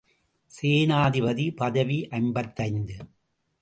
சேனாபதி பதவி ஐம்பத்தைந்து.